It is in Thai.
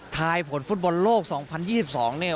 ผลฟุตบอลโลก๒๐๒๒เนี่ย